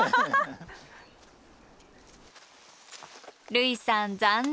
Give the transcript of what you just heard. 類さん残念！